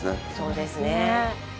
そうですね。